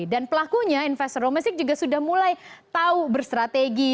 dan pelakunya investor romansik juga sudah mulai tahu bersrategi